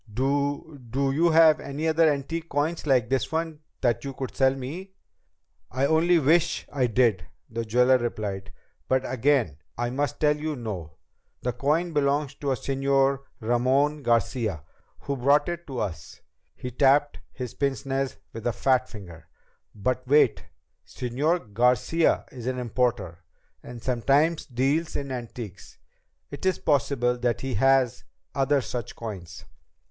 "Do do you have any other antique coins like this one that you could sell me?" "I only wish I did," the jeweler replied. "But again I must tell you no. The coin belongs to a Señor Ramon Garcia who brought it to us." He tapped his pince nez with a fat finger. "But wait! Señor Garcia is an importer, and sometimes deals in antiques. It is possible that he has other such coins."